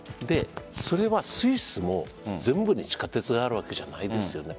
それはスイスも全部に地下鉄があるわけじゃないですよね。